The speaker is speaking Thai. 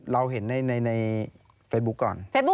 เราเห็นในเฟซบุ๊คก่อน